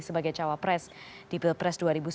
sebagai cawa pres di pilpres dua ribu sembilan belas